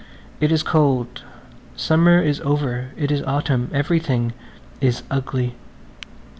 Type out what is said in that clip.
It is cold. Summer is over–it is autumn–everything is ugly.